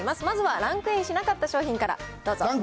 まずはランクインしなかった商品からどうぞ。